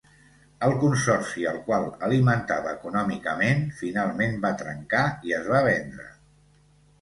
El consorci al qual alimentava econòmicament finalment va trencar i es va vendre.